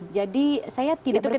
jadi saya tidak berpikir